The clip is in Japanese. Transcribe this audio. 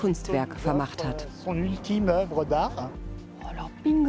ラッピング？